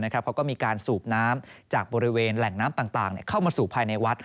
เขาก็มีการสูบน้ำจากบริเวณแหล่งน้ำต่างเข้ามาสู่ภายในวัด